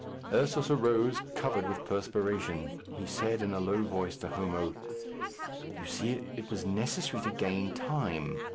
Ursus arose, covered with perspiration. He said, in a low voice, to Homo, "You see it was necessary to gain time.